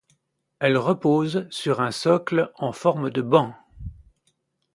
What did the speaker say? Elle repose sur un socle en forme de banc.